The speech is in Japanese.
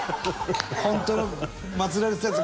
「本当の祭られてたやつ